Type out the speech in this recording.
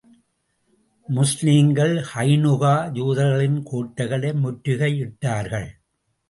முஸ்லிம்கள் கைனுகா யூதர்களின் கோட்டைகளை முற்றுகை இட்டார்கள்.